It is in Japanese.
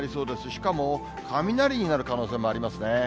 しかも雷になる可能性もありますね。